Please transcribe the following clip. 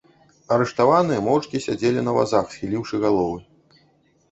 Арыштаваныя моўчкі сядзелі на вазах, схіліўшы галовы.